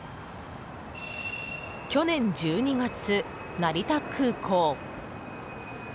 去年１２月、成田空港。